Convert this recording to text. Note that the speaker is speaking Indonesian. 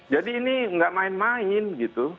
jadi ini nggak main main gitu